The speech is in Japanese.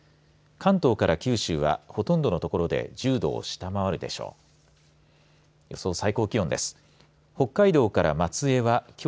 関東から九州は、ほとんどの所で１０度を下回るでしょう。